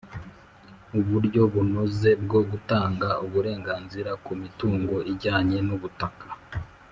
uburyo bunoze bwo gutanga uburenganzira ku mitungo ijyanye n'ubutaka